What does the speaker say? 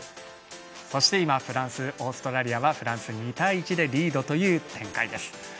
そしてフランス、オーストラリアはフランス、２対１でリードという展開です。